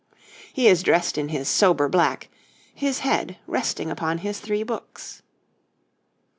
He is dressed in his sober black, his head resting upon his three books.